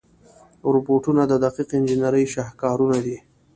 روبوټونه د دقیق انجنیري شاهکارونه دي.